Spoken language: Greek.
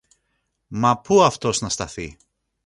Μα πού αυτός να σταθεί!